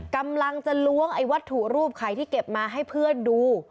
กำลังจะล้วงไอ้วัตถุรูปไข่ที่เก็บมาให้เพื่อนดู